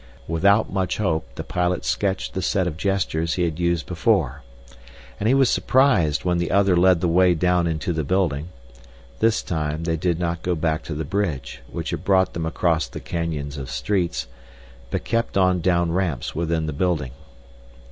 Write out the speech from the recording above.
Without much hope the pilot sketched the set of gestures he had used before. And he was surprised when the other led the way down into the building. This time they did not go back to the bridge, which had brought them across the canyons of streets, but kept on down ramps within the building.